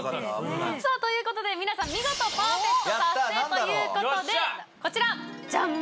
ということで皆さん見事パーフェクト達成ということでこちらジャン！